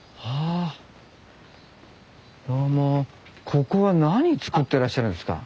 ここは何作ってらっしゃるんですか？